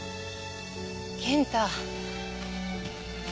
健太。